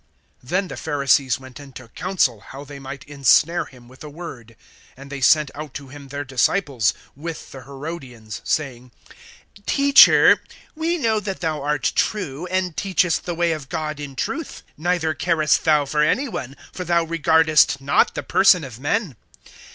(15)Then the Pharisees went and took counsel, how they might ensnare him with a word[22:15]. (16)And they send out to him their disciples, with the Herodians, saying: Teacher, we know that thou art true, and teachest the way of God in truth; neither carest thou for any one, for thou regardest not the person of men.